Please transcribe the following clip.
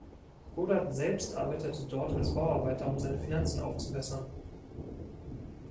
Godard selbst arbeitete dort als Bauarbeiter, um seine Finanzen aufzubessern.